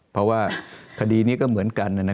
เพราะว่าคดีนี้ก็เหมือนกัน